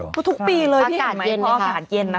ก็ทุกปีเลยพี่เห็นไหมพออากาศเย็นนะคะ